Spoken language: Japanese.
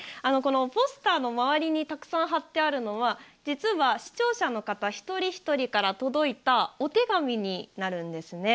ポスターの周りにたくさん貼ってあるのは実は、視聴者の方一人一人から届いたお手紙になるんですね。